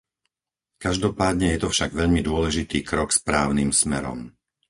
Každopádne je to však veľmi dôležitý krok správnym smerom.